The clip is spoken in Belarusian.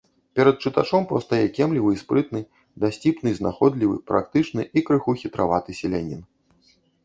Перад чытачом паўстае кемлівы і спрытны, дасціпны і знаходлівы, практычны і крыху хітраваты селянін.